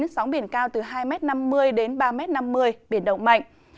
sóng biển cao từ hai m năm mươi ba m năm mươi biển động mạnh